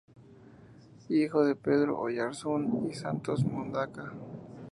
Hijo de "Pedro Oyarzún" y "Santos Mondaca".